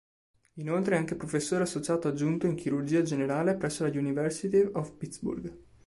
Inoltre è anche professore associato aggiunto in Chirurgia Generale presso la University of Pittsburgh.